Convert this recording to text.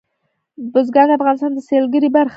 بزګان د افغانستان د سیلګرۍ برخه ده.